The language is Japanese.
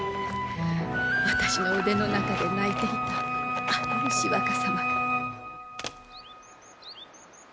私の腕の中で泣いていたあの牛若様が。